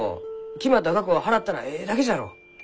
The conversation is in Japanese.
決まった額を払ったらえいだけじゃろう？